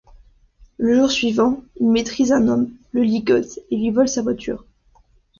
Le jour suivant, il maîtrise un homme, le ligote et lui vole sa voiture.